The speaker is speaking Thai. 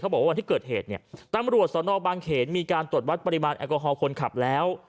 บอกว่าวันที่เกิดเหตุเนี่ยตำรวจสนบางเขนมีการตรวจวัดปริมาณแอลกอฮอล์คนขับแล้ว